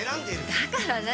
だから何？